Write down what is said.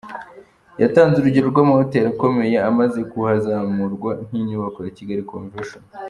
Yatanze urugero rw’amahoteri akomeye amaze kuhazamurwa nk’inyubako ya Kigali Convention Center.